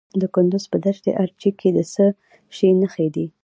د کندز په دشت ارچي کې د څه شي نښې دي؟